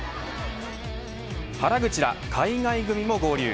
原口ら海外組も合流。